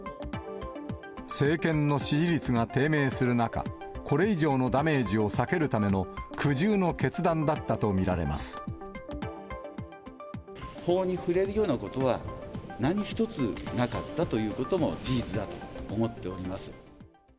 政権の支持率が低迷する中、これ以上のダメージを避けるため法に触れるようなことは、何一つなかったということも事実だと思っております。